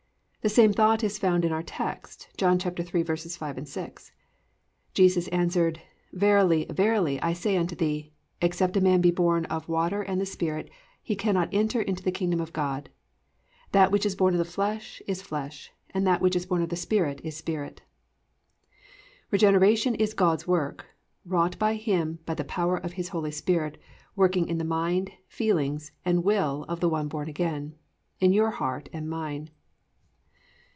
The same thought is found in our text, John 3:5, 6: +"Jesus answered, Verily, verily, I say unto thee, except a man be born of water and the Spirit he cannot enter into the kingdom of God. That which is born of the flesh is flesh; and that which is born of the Spirit is Spirit."+ _Regeneration is God's work; wrought by Him by the power of His Holy Spirit working in the mind, feelings and will of the one born again_, in your heart and mine.